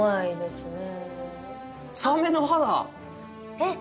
えっ！